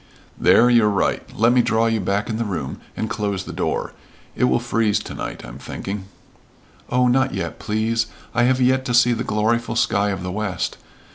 "There you're right. Let me draw you back in the room and close the door. It will freeze to night, I'm thinking." "Oh, not yet, please! I have yet to see the gloryful sky of the west.